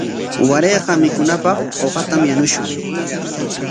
Warayqa mikunapaq uqatam yanushun.